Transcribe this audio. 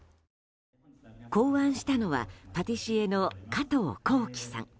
考案したのは、パティシエの加藤幸樹さん。